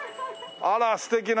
あら素敵な三線。